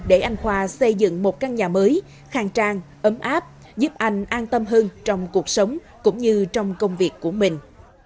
để anh khoa xây dựng một căn nhà mới khang trang ấm áp giúp anh an tâm hơn trong cuộc sống cũng như trong công việc của mình